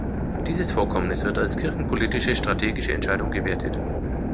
Dieses Vorkommnis wird als kirchenpolitische strategische Entscheidung gewertet.